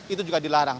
itu juga dilarang